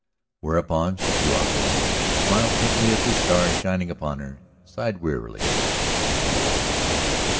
Whereupon she blew out her lantern, smiled faintly at the stars shining upon her, sighed wearily and went to sleep.